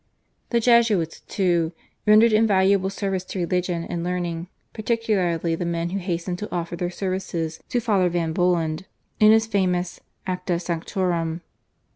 The Jesuits, too, rendered invaluable service to religion and learning, particularly the men who hastened to offer their services to Father van Bolland in his famous /Acta Sanctorum